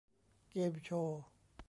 เกมส์โชว์